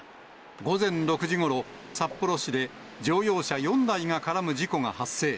午前６時ごろ、札幌市で乗用車４台が絡む事故が発生。